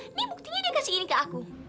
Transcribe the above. ini buktinya dia kasih ini ke aku